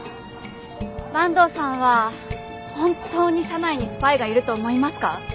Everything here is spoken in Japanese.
坂東さんは本当に社内にスパイがいると思いますか？